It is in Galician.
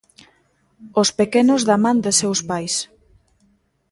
Os pequenos da man de seus pais.